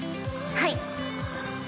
はい。